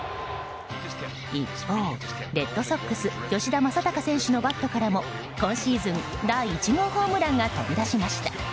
一方、レッドソックス吉田正尚選手のバットからも今シーズン第１号ホームランが飛び出しました。